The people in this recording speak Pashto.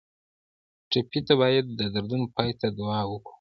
ټپي ته باید د دردونو پای ته دعا وکړو.